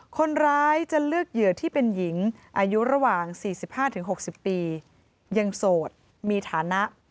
คนร้ายจะเลือกเหยื่อที่เป็นหญิงอายุระหว่าง๔๕๖๐ปียังโสดมีฐานะ